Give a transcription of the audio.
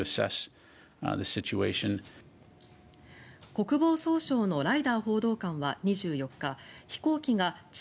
国防総省のライダー報道官は２４日飛行機が地